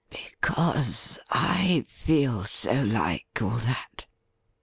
* Because I feel so like all that.